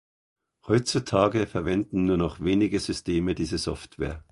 Heutzutage verwenden nur noch wenige Systeme diese Software.